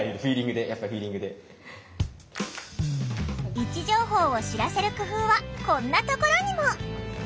位置情報を知らせる工夫はこんなところにも。